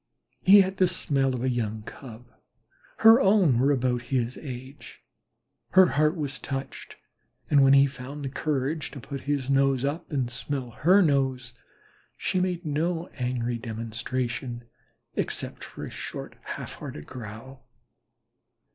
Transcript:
He had the smell of a young Cub. Her own were about his age, her heart was touched, and when he found courage enough to put his nose up and smell her nose, she made no angry demonstration except a short half hearted growl.